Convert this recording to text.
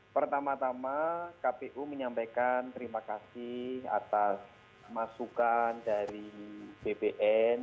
pertama tama kpu menyampaikan terima kasih atas masukan dari bpn